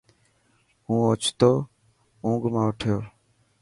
هون اوڇتو اونگ منا اٺيو.